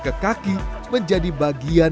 ke kaki menjadi bagian